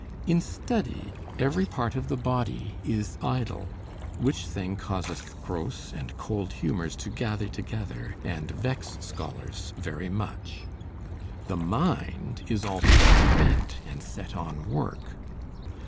In study every part of the body is idle, which thing causeth gross and cold humors to gather together and vex scholars very much; the mind is altogether bent and set on work.